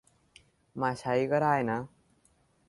มาใช้ก็ได้นะ